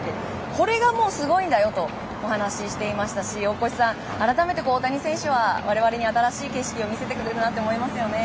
これがもうすごいんだよとお話していましたし大越さん、改めて大谷選手は我々に新しい景色を見せてくれるなと思いますよね。